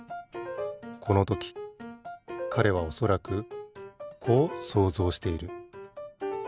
このときかれはおそらくこう想像している。